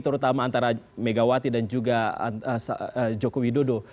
terutama antara megawati dan juga joko widodo